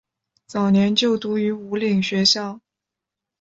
早年就读于武岭学校。